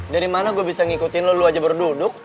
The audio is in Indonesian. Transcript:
dari mana gua bisa ngikutin lu lu aja berduduk